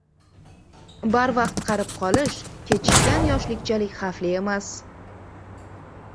— Barvaqt qarib qolish kechikkan yoshlikchalik xavfli emas.